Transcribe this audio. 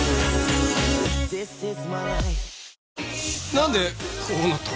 なんでこうなった？